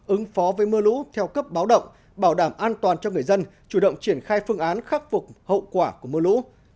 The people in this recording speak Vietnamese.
ứng phó với mưa lũ theo cấp báo động bảo đảm an toàn cho người dân chủ động triển khai phương án khắc phục hậu quả của mưa lũ